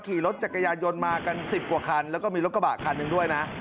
ขี่รถจักรยานยนต์มากัน๑๐กว่าคันแล้วก็มีรถกระบะคันหนึ่งด้วยนะ